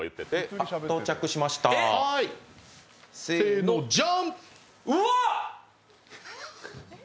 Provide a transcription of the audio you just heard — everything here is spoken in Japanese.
せーの、ジャン。